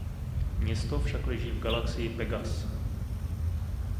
Město však leží v galaxii Pegas.